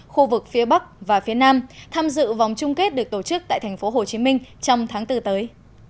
khu vực phía bắc và phía nam tham dự vòng chung kết được tổ chức tại tp hcm trong tháng bốn tới